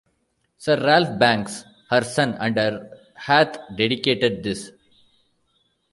Sir Ralph Bankes her son and heir hath dedicated this.